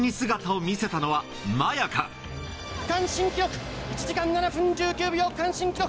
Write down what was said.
区間新記録、１時間７分１９秒、区間新記録。